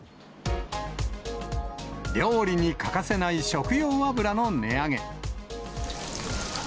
料理に欠かせない食用油の値上げ。